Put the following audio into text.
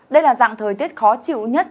đây là dạng thời tiết khó chịu nhất